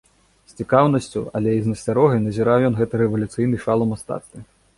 З цікаўнасцю, але і з насцярогай назіраў ён гэты рэвалюцыйны шал у мастацтве.